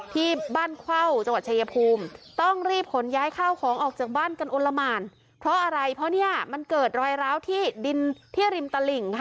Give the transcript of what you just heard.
ที่บ้านเข้าจังหวัดชายภูมิต้องรีบขนย้ายข้าวของออกจากบ้านกันอลละหมานเพราะอะไรเพราะเนี่ยมันเกิดรอยร้าวที่ดินที่ริมตลิ่งค่ะ